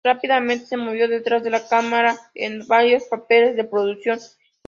Rápidamente se movió detrás de la cámara en varios papeles de producción.